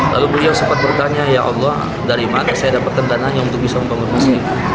lalu beliau sempat bertanya ya allah dari mana saya dapatkan dananya untuk bisa membangun masjid